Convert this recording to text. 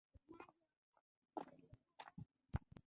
د اوبښتې درخته ونه ويل کيږي.